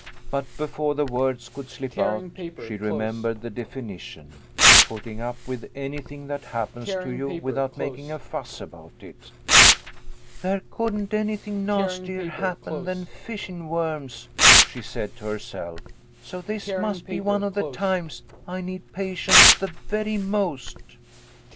But before the words could slip out she remembered the definition, "Putting up with anything that hap pens to you without making a fuss about it." " There couldn't anything nastier happen than fish in ' worms," she said to herself, "so this must be one of the times I need patience the very most."